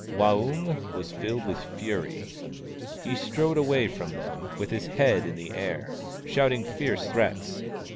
Waung was filled with fury. He strode away from them, with his head in the air, shouting fierce threats.